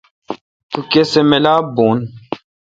تو کسہ ملاپ بھو ۔